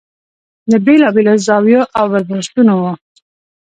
د بېلا بېلو زاویو او برداشتونو و.